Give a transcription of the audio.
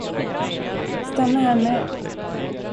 Stanna här med.